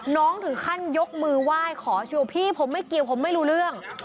น้องถึงขั้นยกมือไหว้ขอชัวพี่ผมไม่เกี่ยวผมไม่รู้เรื่อง